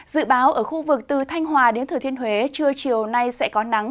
dự báo ở khu vực từ thanh hòa đến thừa thiên huế trưa chiều nay sẽ có nắng